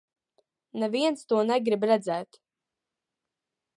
Neviens to negrib redzēt.